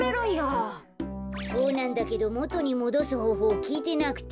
そうなんだけどもとにもどすほうほうをきいてなくて。